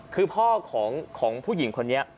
คือพ่อของผู้หญิงคนนี้